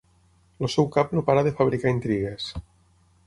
El seu cap no para de fabricar intrigues.